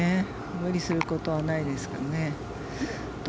無理することはないですからね。